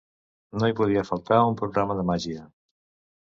No hi podia faltar un programa de màgia.